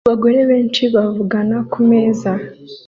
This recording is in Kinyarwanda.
Abagore benshi bavugana kumeza